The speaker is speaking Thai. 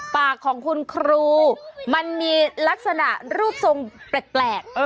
ปากของคุณครูมันมีลักษณะรูปทรงแปลก